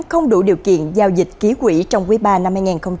không đủ điều kiện giao dịch ký quỷ trong quý ba năm hai nghìn hai mươi